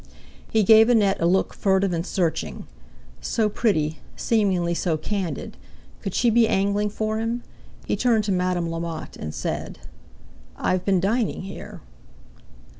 He gave Annette a look furtive and searching. So pretty, seemingly so candid; could she be angling for him? He turned to Madame Lamotte and said: "I've been dining here."